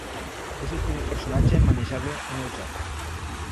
És el primer personatge manejable en el joc.